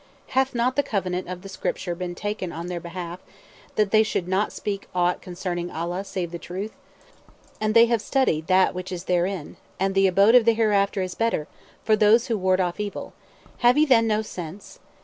Hath not the covenant of the Scripture been taken on their behalf that they should not speak aught concerning Allah save the truth? And they have studied that which is therein. And the abode of the Hereafter is better, for those who ward off (evil). Have ye then no sense?